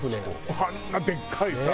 あんなでっかいさ。